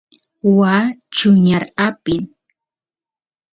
waa chuñar apin